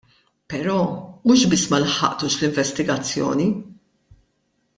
Però mhux biss ma laħħaqtux l-investigazzjoni.